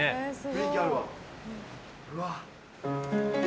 雰囲気あるわ。うわ。